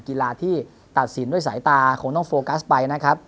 กีฬาที่ตัดสินด้วยสายตาคงต้องโฟกัสไปนะครับ